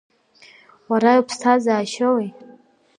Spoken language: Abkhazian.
Уара иуԥсҭазаашьоуи?